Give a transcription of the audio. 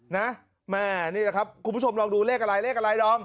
แม่นี่แหละครับคุณผู้ชมลองดูเลขอะไรเลขอะไรดอม